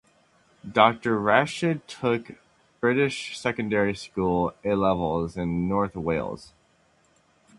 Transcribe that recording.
Doctor Rashid took British secondary school 'A-Levels' in North Wales.